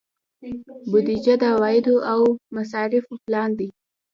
بودجه د عوایدو او مصارفو پلان دی